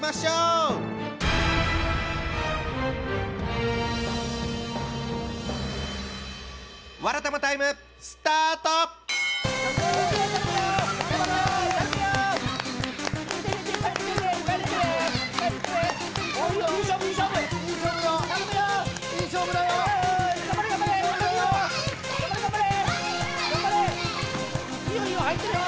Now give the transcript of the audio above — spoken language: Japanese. いいよいいよ入ってるよ。